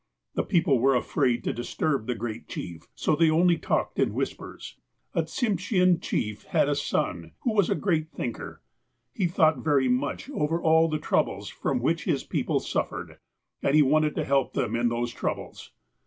The people were afraid to disturb the Great Chief. So they only talked in whispers. A Tsimshean chief had a son, who was a great thinker. He thought very much over all the troubles from which his people suffered, and he wanted to help them iu those troubles.